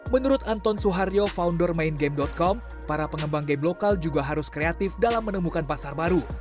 menurut anton suharyo founder maingame com para pengembang game lokal juga harus kreatif dalam menemukan pasar baru